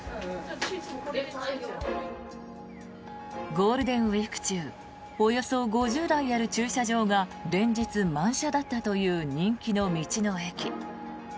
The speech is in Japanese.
ゴールデンウィーク中およそ５０台ある駐車場が連日、満車だったという人気の道の駅。